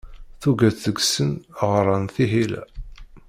Tuget deg-sen ɣṛan tiḥila.